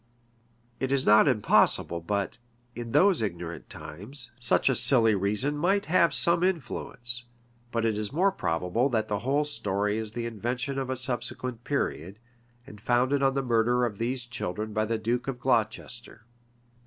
[] It is not impossible but, in those ignorant times, such a silly reason might have some influence; but it is more probable that the whole story is the invention of a subsequent period, and founded on the murder of these children by the duke of Glocester.